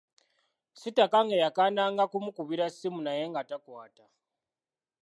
Sitakange yakandanga kumukubira ssimu naye nga takwata.